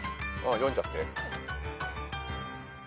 読んじゃって。